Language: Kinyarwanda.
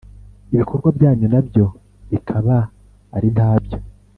ibikorwa byanyu na byo bikaba ari nta byo!